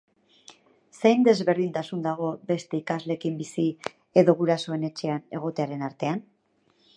Zein desberdintasun dago beste ikasleekin bizi edo gurasoen etxean egotearen artean?